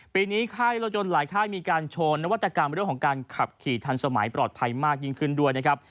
ปีนี้ค่ายรถยนต์หลายค่ายมีการโชว์นวัตกรรมเรื่องของการขับขี่ทันสมัยปลอดภัยมากยิ่งขึ้นด้วยนะครับ